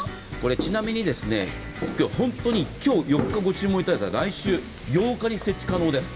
ちなみに今日、４日ご注文いただいたら来週８日に設置可能です。